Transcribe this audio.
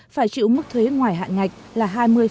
phải chịu mức thuế ngoài hạn ngạch là hai mươi